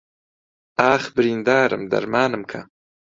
ئاخ بریندارم دەرمانم کە